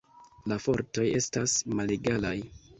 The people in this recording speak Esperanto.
La fortoj estas malegalaj.